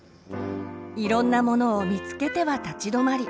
いろんなものを見つけては立ち止まり